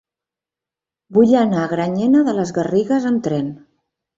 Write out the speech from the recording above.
Vull anar a Granyena de les Garrigues amb tren.